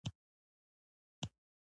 وروسته يې سترګې له اوښکو ډکې شوې.